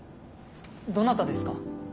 どなたですか？